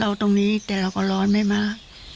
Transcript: เอาตรงนี้แต่เราก็ร้อนได้มาก